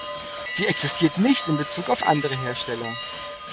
Sie existiert nicht in Bezug auf andere Hersteller.